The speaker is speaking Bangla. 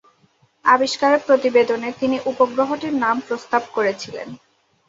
আবিষ্কারের প্রতিবেদনে তিনি উপগ্রহটির নাম প্রস্তাব করেছিলেন।